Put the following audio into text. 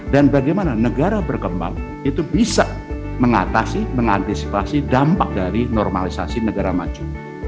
dan bagaimana negara berkembang itu bisa mengatasi mengantisipasi dampak dari normalisasi negara maju